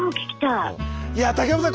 いや竹山さん